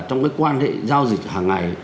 trong cái quan hệ giao dịch hàng ngày